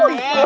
oh ya sudah